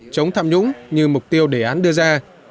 chống tham nhũng như mục tiêu đề án đưa ra